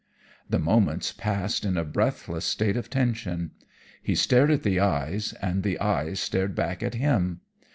"The moments passed in a breathless state of tension. He stared at the eyes, and the eyes stared back at him.